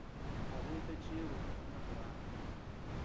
هغوی ته چې وطنونه ګران دي.